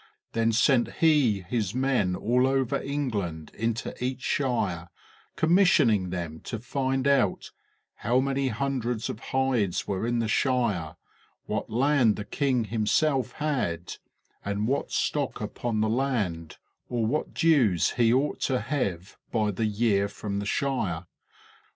Then sent he his men all over Eng land, into each shire, commissioning them to find out 'how many hundreds of hides were in the shire ; what land the king himsélf had, and what stock upon the land, or what dues he ought to have by the year from the shire."